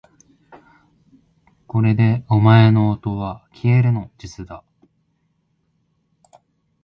これでお前のおとはきえるの術だ